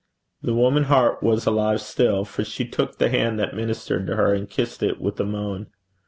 The woman heart was alive still, for she took the hand that ministered to her and kissed it with a moan.